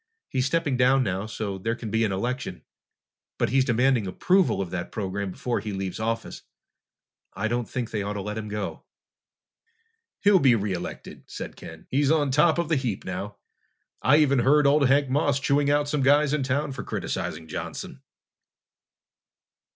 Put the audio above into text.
He's stepping down now, so there can be an election, but he's demanding approval of that program before he leaves office. I don't think they ought to let him go." "He'll be re elected," said Ken. "He's on top of the heap now. I even heard old Hank Moss chewing out some guys in town for criticizing Johnson!"